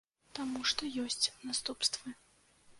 Таму што ёсць наступствы.